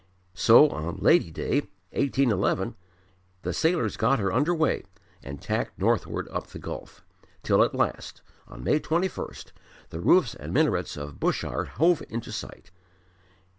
So on Lady Day, 1811, the sailors got her under weigh and tacked northward up the Gulf, till at last, on May 21, the roofs and minarets of Bushire hove in sight.